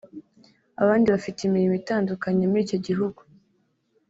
abandi bafite imirimo itandukanye muri icyo gihugu